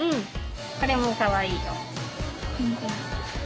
これもかわいいよ。